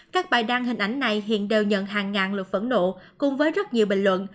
các bài đăng hình ảnh này hiện đều nhận hàng ngàn lượt phẫn nộ cùng với rất nhiều bình luận